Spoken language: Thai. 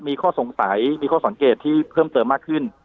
มีข้อสงสัยมีข้อสังเกตที่เพิ่มเติมมากขึ้น